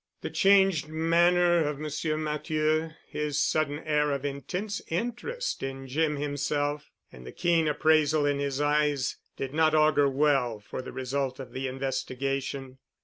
The changed manner of Monsieur Matthieu, his sudden air of intense interest in Jim himself, and the keen appraisal in his eyes did not augur well for the result of the investigation.